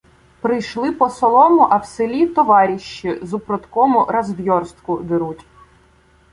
— Прийшли по солому, а в селі "товаріщі" з упродкому "развйорстку" деруть.